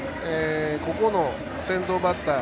ここの先頭バッター。